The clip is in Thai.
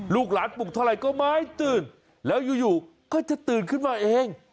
ลูกหลานปลุกเท่าไหร่ก็ไม่ตื่นแล้วอยู่ก็จะตื่นขึ้นมาเอง